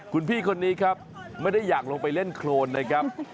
คุณพี่คนนี้ครับไม่ได้อยากลงไปเล่นโครนนะครับ